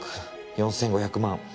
４５００万